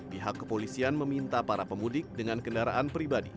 pihak kepolisian meminta para pemudik dengan kendaraan pribadi